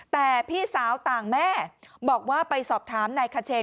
แต่พี่สาวต่างแม่บอกว่าไปสอบถามนายคเชน